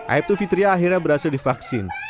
aibtu fitriah akhirnya berhasil divaksin